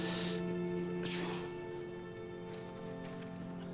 よいしょ。